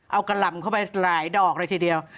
เอากะหล่ำเข้าไปหลายดอกเลยทีเดียว